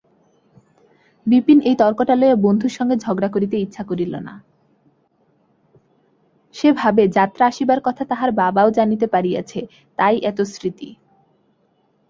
সে ভাবে, যাত্রা আসিবার কথা তাহার বাবাও জানিতে পারিযাছে, তাই এত স্মৃর্তি।